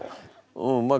うんまあ